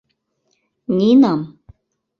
— Нинам...